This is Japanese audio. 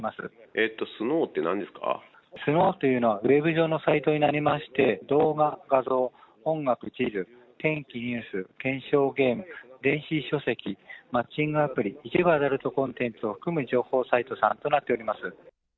えーと、スノーというのは、ウェブ上のサイトになりまして、動画、画像、音楽、地図、天気、ニュース、懸賞ゲーム、電子書籍、マッチングアプリ、一部アダルトコンテンツを含む情報サイトさんとなっております。